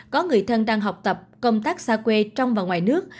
có người thân đang học tập công tác xa quê trong và ngoài nước